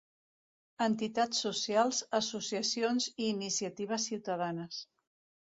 Entitats socials, associacions i iniciatives ciutadanes.